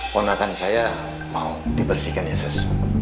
konakan saya mau dibersihkan ya sesuatu